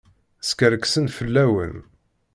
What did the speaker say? Skerksen fell-awen.